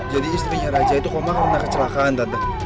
jadi istrinya raja itu koma karena kecelakaan tante